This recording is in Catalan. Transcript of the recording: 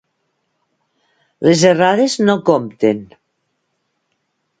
Les errades no compten.